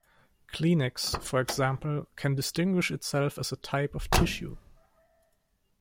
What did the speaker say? Kleenex, for example, can distinguish itself as a type of tissue.